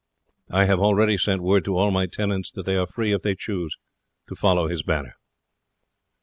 I have already sent word to all my tenants that they are free, if they choose, to follow his banner."